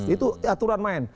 itu aturan main